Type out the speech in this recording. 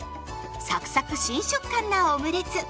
サクサク新食感なオムレツ。